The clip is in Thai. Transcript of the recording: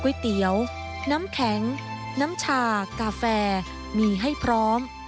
เตี๋ยวน้ำแข็งน้ำชากาแฟมีให้พร้อม